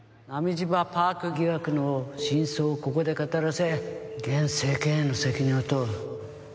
波島パーク疑惑の真相をここで語らせ現政権への責任を問う。